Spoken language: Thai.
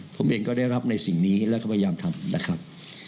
ผมเองก็ได้รับในสิ่งนี้แล้วก็พยายามทำนะครับ